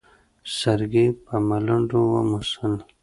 سرګي په ملنډو وموسل.